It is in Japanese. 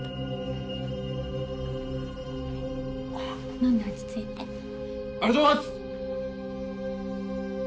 飲んで落ち着いてありがとうございます！